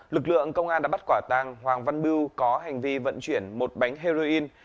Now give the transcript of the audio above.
lực lượng công an đã bắt quả tàng hoàng văn bưu có hành vi vận chuyển một bánh heroin